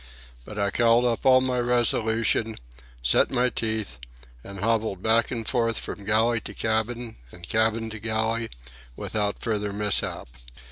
But I called up all my resolution, set my teeth, and hobbled back and forth from galley to cabin and cabin to galley without further mishap.